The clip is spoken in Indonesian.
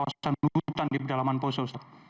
bagaimana ke kawasan kawasan hutan di pedalaman poso